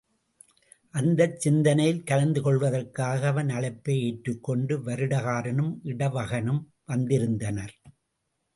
அந்தச் சிந்தனையில் கலந்து கொள்வதற்காக அவன் அழைப்பை ஏற்றுக்கொண்டு வருடகாரனும் இடவகனும் வந்திருந்தனர்.